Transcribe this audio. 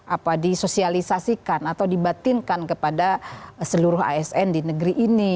apa disosialisasikan atau dibatinkan kepada seluruh asn di negeri ini